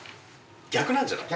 逆なんじゃない？